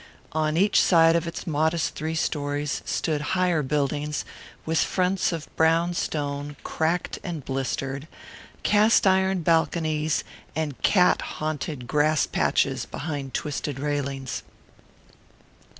On each side of its modest three stories stood higher buildings, with fronts of brown stone, cracked and blistered, cast iron balconies and cat haunted grass patches behind twisted railings.